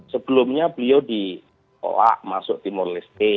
sebelumnya beliau diolak masuk timur leste